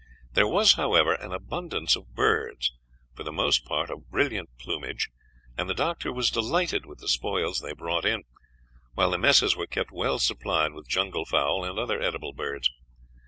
There was, however, an abundance of birds, for the most part of brilliant plumage, and the doctor was delighted with the spoils they brought in, while the messes were kept well supplied with jungle fowl and other edible birds.